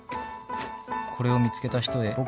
「これを見つけた人へ」